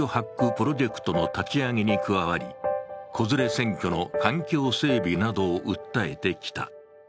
プロジェクトの立ち上げに加わり、子連れ選挙の環境整備などを訴えてきた。